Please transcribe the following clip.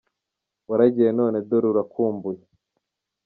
Waragiye none dore urakumbuye